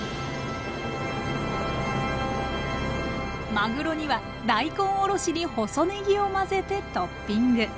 まぐろには大根おろしに細ねぎを混ぜてトッピング。